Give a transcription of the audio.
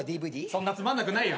そんなつまんなくないよ。